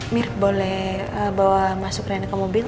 mir boleh bawa masuk rene ke mobil